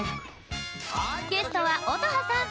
ゲストは乙葉さん。